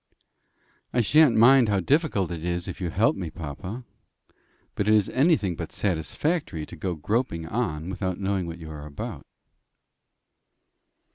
"I sha'n't mind how difficult it is if you help me, papa. But it is anything but satisfactory to go groping on without knowing what you are about."